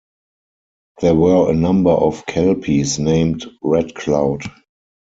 There were a number of Kelpies named Red Cloud.